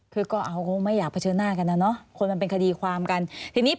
คือก็เอาก็ไม่อยากเผชิญหน้ากันนะเนาะคนมันเป็นคดีความกันทีนี้